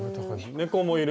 猫もいる。